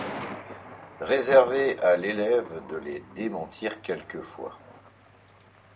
Réservé à l’élève de les démentir quelquefois.